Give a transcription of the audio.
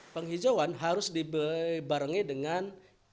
penghijauan harus dibarengi dengan